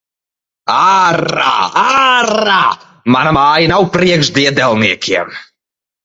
Ārā! Ārā! Mana māja nav priekš diedelniekiem!